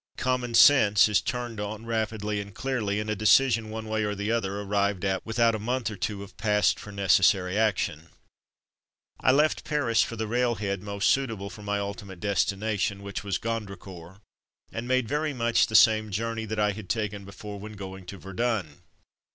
''Common sense" is turned on rapidly and clearly, and a decision one way or the other arrived at without a month or two of ''passed for necessary action/' I left Paris for the railhead most suitable for my ultimate destination, which was Gondricourt, and made very much the same journey that I had taken before, when going to Verdun.